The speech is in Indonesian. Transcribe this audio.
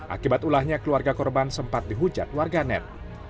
akibat ulahnya keluarga korban sempat dihujat warganet